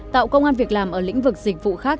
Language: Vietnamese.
tạo công an việc làm ở lĩnh vực dịch vụ khác